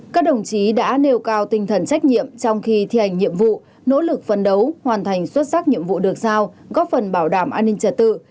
các đồng chí đã nêu cao tinh thần trách nhiệm trong khi thi hành nhiệm vụ nỗ lực phấn đấu hoàn thành xuất sắc nhiệm vụ được sao góp phần bảo đảm an ninh trật tự